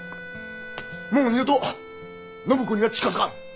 もう二度と暢子には近づかん。